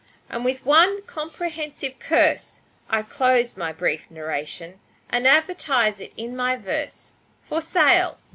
And with one comprehensive curse I close my brief narration, And advertise it in my verse 'For Sale!